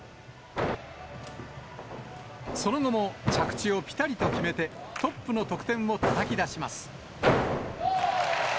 その後も着地をぴたりと決めて、トップの得点をたたき出します。